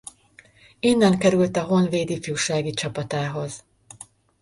Innen került a Honvéd ifjúsági csapatához.